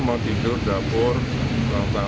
bahkan pak luhut bilang oh ini kok kecil